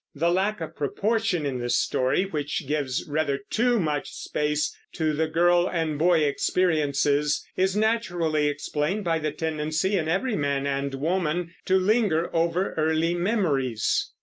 The lack of proportion in this story, which gives rather too much space to the girl and boy experiences, is naturally explained by the tendency in every man and woman to linger over early memories.